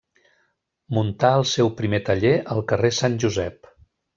Muntà el seu primer taller al carrer Sant Josep.